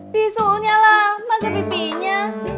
bisulnya lah masa pipinya